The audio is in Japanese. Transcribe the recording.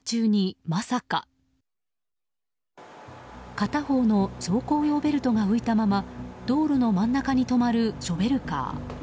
片方の走行用ベルトが浮いたまま道路の真ん中に止まるショベルカー。